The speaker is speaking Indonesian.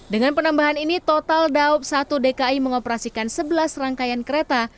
dengan penambahan ini total daob satu dki mengoperasikan sebelas rangkaian kereta